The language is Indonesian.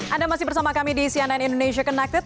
anda masih bersama kami di cnn indonesia connected